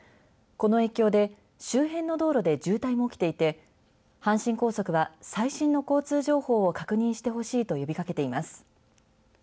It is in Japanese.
この影響で、周辺の道路で渋滞も起きていて阪神高速は、最新の交通情報を確認してほしいと呼びかけています。